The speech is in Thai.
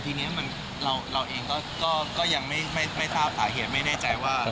ทีนี้เราเองก็ยังไม่ทราบสาเหตุไม่แน่ใจว่า